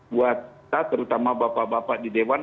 buat kita terutama bapak bapak di dewan